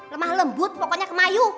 lemah lembut pokoknya kemayu